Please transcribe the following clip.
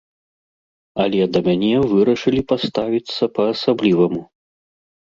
Але да мяне вырашылі паставіцца па-асабліваму.